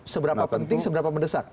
seberapa penting seberapa mendesak